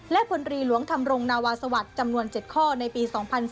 และพลตรีหลวงธรรมรงนาวาสวัสดิ์จำนวน๗ข้อในปี๒๔